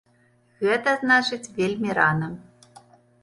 Гэта значыць вельмі рана.